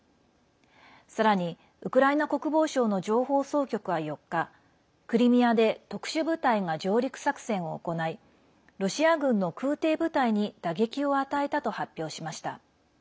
さらにウクライナ国防省の情報総局は４日クリミアで特殊部隊が上陸作戦を行いロシア軍の空てい部隊に打撃を与えたと発表しました。